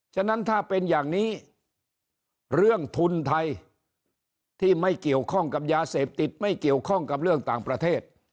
ฉะนั้นถ้าเป็นอย่างนี้เรื่องทุนไทยที่ไม่เกี่ยวข้องกับยาเสพติดไม่เกี่ยวข้องกับเรื่องต่างประเทศ